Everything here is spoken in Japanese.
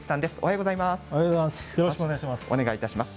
よろしくお願いします。